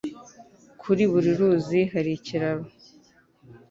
Kuri buri ruzi hari ikiraro.